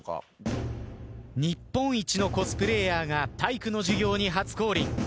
日本一のコスプレイヤーが体育の授業に初降臨。